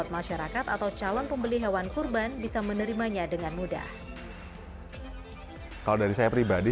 masyarakat atau calon pembeli hewan kurban bisa menerimanya dengan mudah kalau dari saya pribadi